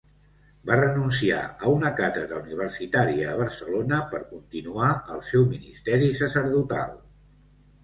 Va renunciar a una càtedra universitària a Barcelona per continuar el seu ministeri sacerdotal.